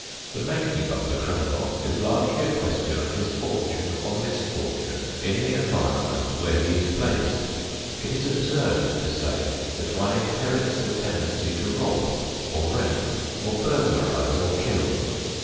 The making of the criminal is largely a question of his fortune or misfortune in the environment where he is placed. It is absurd to say that one inherits the tendency to rob or rape or burglarize or kill.